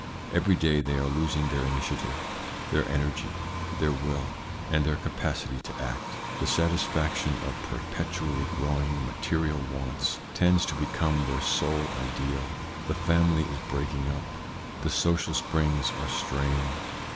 Every day they are losing their initiative, their energy, their will, and their capacity to act. The satisfaction of perpetually growing material wants tends to become their sole ideal. The family is breaking up, the social springs are strained.